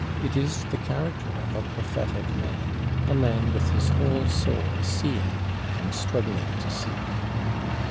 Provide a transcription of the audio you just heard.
It is the character of a prophetic man; a man with his whole soul seeing, and struggling to see.